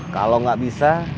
kalau gak bisa